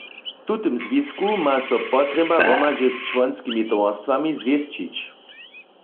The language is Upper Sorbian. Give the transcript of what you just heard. W tutym zwisku ma so potrjeba hromadźe z čłonskimi towarstwami zwěsćić.